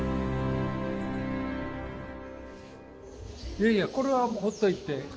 いやいやこれはもうほっといて。